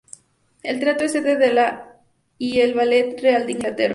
El teatro es sede de la y el ballet real de Inglaterra.